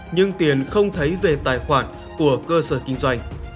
nhưng tiền không thấy về tài khoản của cơ sở kinh doanh